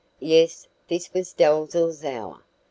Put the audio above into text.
Yes, this was Dalzell's hour.